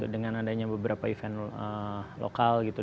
dengan adanya beberapa event lokal gitu